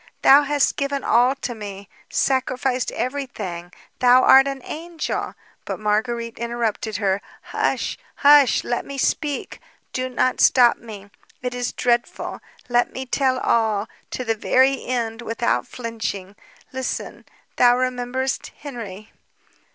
Thou hast given all to me, sacrificed everything; thou art an angel...." But Marguérite interrupted her: "Hush, hush! Let me speak ... do not stop me. It is dreadful ... let me tell all ... to the very end, without flinching. Listen. Thou rememberest ... thou rememberest ... Henry...."